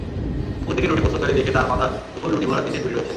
অপর দিকে রুটি প্রস্তুতকারী দেখে, তার মাথার উপর রুটি ভরা তিনটি ঝুড়ি রয়েছে।